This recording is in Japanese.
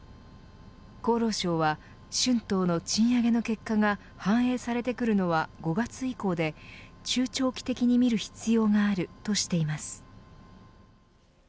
厚労省は、春闘の賃上げの結果が反映されてくるのは５月以降で中長期的に見る必要があるとしています。